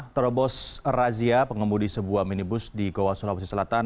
terobos razia pengemudi sebuah minibus di goa sulawesi selatan